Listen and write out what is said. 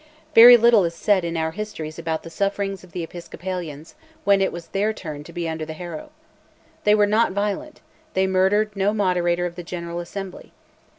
Very little is said in our histories about the sufferings of the Episcopalians when it was their turn to be under the harrow. They were not violent, they murdered no Moderator of the General Assembly.